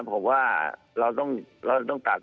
ผมว่าเราต้องกัก